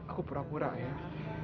aku pura pura ayah